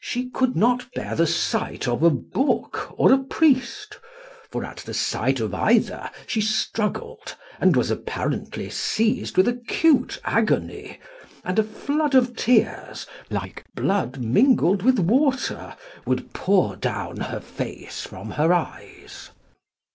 She could not bear the sight of a book or a priest, for at the sight of either she struggled, and was apparently seized with acute agony, and a flood of tears, like blood mingled with water, would pour down her face from her eyes.